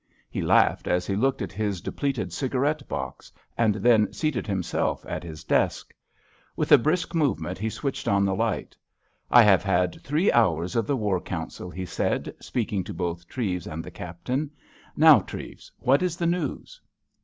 He laughed as he looked at his depleted cigarette box, and then seated himself at his desk. With a brisk movement he switched on the light. "I have had three hours of the War Council," he said, speaking to both Treves and the Captain. "Now, Treves, what is the news?"